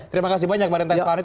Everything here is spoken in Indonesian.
terima kasih banyak mbak renta ispari